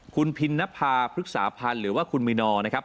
คุณพินนภาพฤกษาพันธ์หรือว่าคุณมินอร์นะครับ